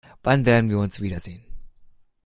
Wann werden wir uns wiedersehen?